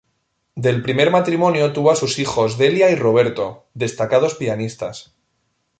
Del primer matrimonio tuvo a sus hijos Delia y Roberto, destacados pianistas.